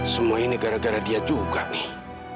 semua ini gara gara dia juga nih